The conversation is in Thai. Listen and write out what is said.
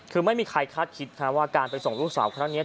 คือไม่มีใครคาดคิดว่าการไปส่งลูกสาวครั้งนี้